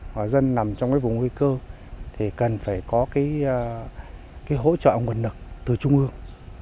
và dân nằm trong cái vùng nguy cơ thì cần phải có cái hỗ trợ nguồn nực từ trung ương